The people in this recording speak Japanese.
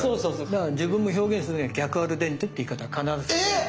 だから自分も表現するには逆アルデンテって言い方必ずするんで。